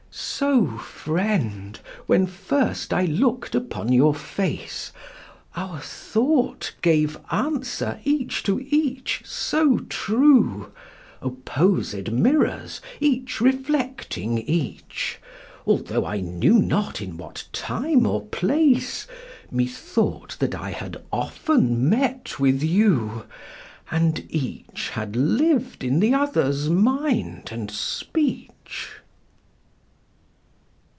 So, friend, when first I look'd upon your face, Our thought gave answer each to each, so true— Opposed mirrors each reflecting each— Altho' I knew not in what time or place, Methought that I had often met with you, And each had lived in the other's mind and speech.